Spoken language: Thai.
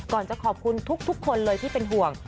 ก่อนจะขอบคุณทุกคนเลยที่เป็นห่วง